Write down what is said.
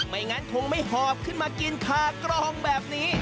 ไม่งั้นคงไม่หอบขึ้นมากินคากรองแบบนี้